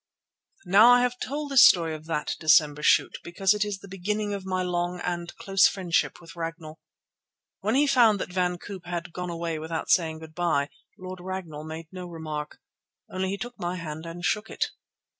Now, I have told this story of that December shoot because it was the beginning of my long and close friendship with Ragnall. When he found that Van Koop had gone away without saying good bye, Lord Ragnall made no remark. Only he took my hand and shook it.